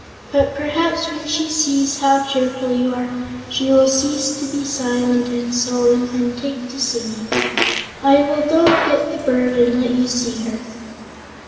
But perhaps, when she sees how cheerful you are, she will cease to be silent and sullen and take to singing. I will go get the bird and let you see her."